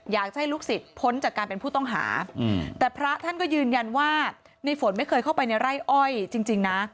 อยากให้ลูกศิษย์พ้นจากการเป็นผู้ต้องหาแต่พระท่านก็ยืนยันว่าในฝนไม่เคยเข้าไปในไร่อ้อยจริงนะ